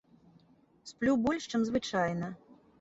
Сплю больш, чым звычайна.